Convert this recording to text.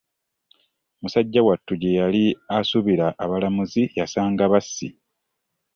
Musajja wattu gye yali asuubira abalamuzi yasanga bassi!